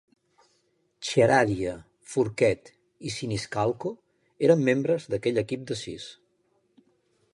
Chiaradia, Forquet i Siniscalco eren membres d'aquell equip de sis.